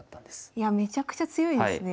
いやめちゃくちゃ強いですね。